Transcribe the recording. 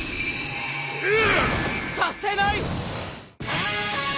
させない！